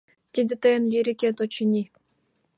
Тиде тыйын лирикет, очыни.